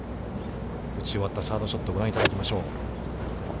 打ち終わったサードショットをご覧いただきましょう。